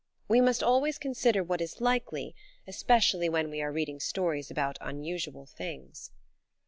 We must always consider what is likely, especially when we are reading stories about unusual things.